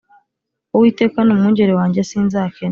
Uwiteka ni umwungeri wanjye sinzakena